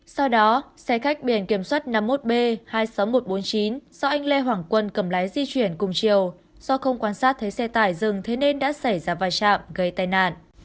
sau đó xe khách biển kiểm soát năm mươi một b hai mươi sáu nghìn một trăm bốn mươi chín do anh lê hoàng quân cầm lái di chuyển cùng chiều do không quan sát thấy xe tải dừng thế nên đã xảy ra vai trạm gây tai nạn